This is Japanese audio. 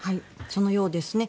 そのようですね。